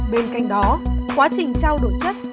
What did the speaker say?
bên cạnh đó quá trình trao đổi chất